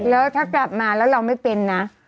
แล้วถ้ากลับมาแล้วเราไม่เป็นนะ